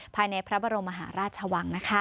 ภายในพระบรมมหาราชวัง